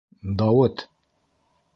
Дауыт!..